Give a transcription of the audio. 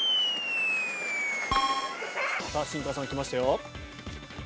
さあ、新川さん、きましたよ。